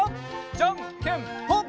じゃんけんぽん！